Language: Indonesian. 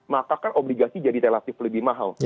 maka kan obligasi jadi relatif lebih mahal